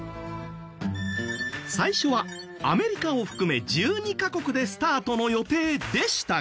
最初はアメリカを含め１２カ国でスタートの予定でしたが。